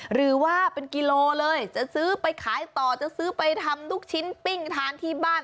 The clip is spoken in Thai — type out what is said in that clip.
หรือว่าเป็นกิโลเลยจะซื้อไปขายต่อจะซื้อไปทำลูกชิ้นปิ้งทานที่บ้าน